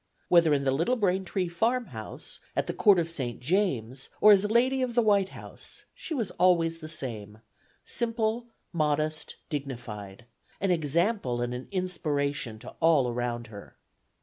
Whether in the little Braintree farmhouse, at the Court of St. James, or as Lady of the White House, she was always the same simple, modest, dignified: an example and an inspiration to all around her.